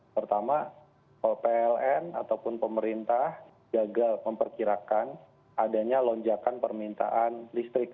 pertama pln ataupun pemerintah gagal memperkirakan adanya lonjakan permintaan listrik